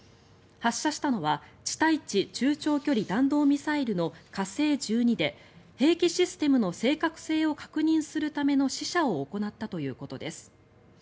発射したのは地対地中長距離弾道ミサイルの火星１２で兵器システムの正確性を確認するための試射を行ったということです。